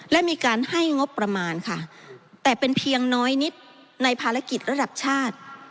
และมีการให้งบประมาณค่ะแต่เป็นเพียงน้อยนิดในภารกิจระดับชาติ